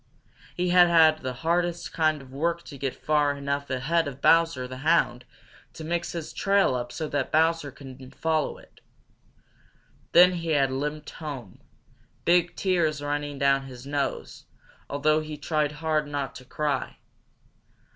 He had had the hardest kind of work to get far enough ahead of Bowser the Hound to mix his trail up so that Bowser couldn't follow it. Then he had limped home, big tears running down his nose, although he tried hard not to cry.